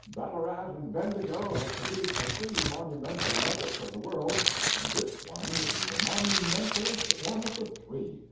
Ballarat and Bendigo have produced the three monumental nuggets of the world, and this one is the monumentalest one of the three.